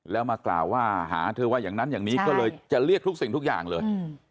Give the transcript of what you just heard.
แล้วมากล่าวว่าหาเธอว่าอย่างนั้นอย่างนี้ก็เลยจะเรียกทุกสิ่งทุกอย่างเลย